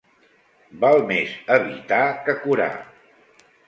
Val més evitar que curar.